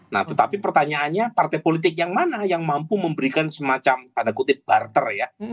nah tetapi pertanyaannya partai politik yang mana yang mampu memberikan semacam tanda kutip barter ya